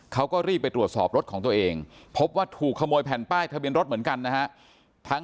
เขาก็รีบไปตรวจสอบรถของตัวเองพบว่าถูกขโมยแผ่นป้ายทะเบียนรถเหมือนกันนะฮะ